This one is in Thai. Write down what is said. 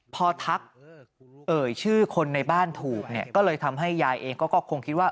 พอทักเอ่ยชื่อคนในบ้านถูกเนี่ยก็เลยทำให้ยายเองก็คงคิดว่า